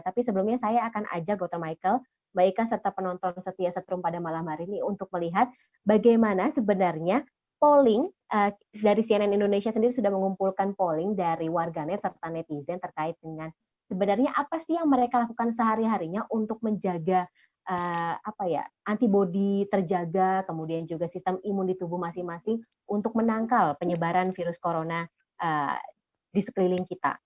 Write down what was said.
tapi sebelumnya saya akan ajak dr michael mbak ika serta penonton setia setrum pada malam hari ini untuk melihat bagaimana sebenarnya polling dari cnn indonesia sendiri sudah mengumpulkan polling dari warganet serta netizen terkait dengan sebenarnya apa sih yang mereka lakukan sehari harinya untuk menjaga antibody terjaga kemudian juga sistem imun di tubuh masing masing untuk menangkal penyebaran virus corona di sekeliling kita